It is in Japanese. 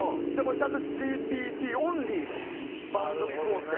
ＣｈａｔＧＰＴオンリーの番組構成。